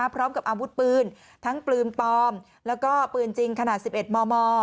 พร้อมกับอาวุธปืนทั้งปืนปลอมแล้วก็ปืนจริงขนาด๑๑มม